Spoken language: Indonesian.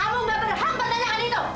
hei kamu nggak berhampiran tanyakan itu